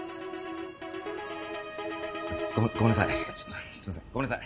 ごめごめんなさい。